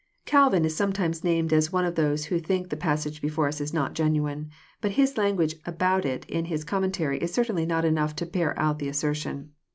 • Calvin \s sometimes named as one of those who think the pas sage before us not genuine. But his language about it in his Commentary is certainly not enough to bear out the assertion.